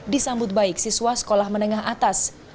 disambut baik siswa sekolah menengah atas